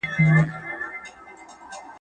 خو اوږده لکۍ يې غوڅه سوه لنډی سو.